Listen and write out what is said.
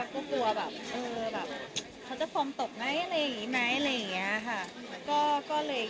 ก็กลัวแบบเขาจะพร้อมตกไหมอะไรอย่างนี้